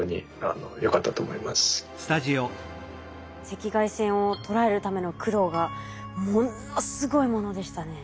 赤外線を捉えるための苦労がものすごいものでしたね。